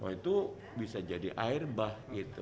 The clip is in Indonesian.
itu bisa jadi air bah gitu